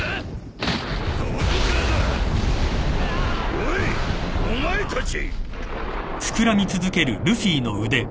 おいお前たち！